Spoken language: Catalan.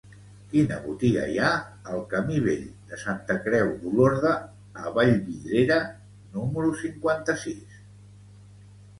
Quina botiga hi ha al camí Vell de Santa Creu d'Olorda a Vallvidrera número cinquanta-sis?